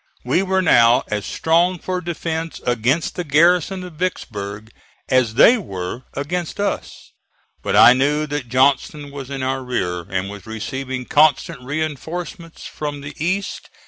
We were now as strong for defence against the garrison of Vicksburg as they were against us; but I knew that Johnston was in our rear, and was receiving constant reinforcements from the east.